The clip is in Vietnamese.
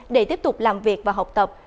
để tiếp tục làm việc và học tập